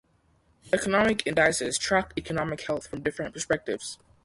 Economic indices track economic health from different perspectives.